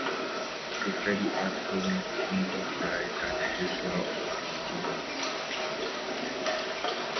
The Friday arts program was anchored by Daniel Richler or David Gilmour.